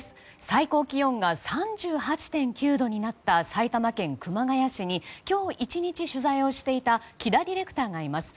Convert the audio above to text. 最高気温が３８．９度になった埼玉県熊谷市に今日１日、取材をしていた木田ディレクターがいます。